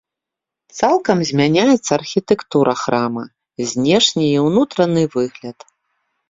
Цалкам змяняецца архітэктура храма, знешні і ўнутраны выгляд.